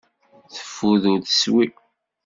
Teffud ur teswi.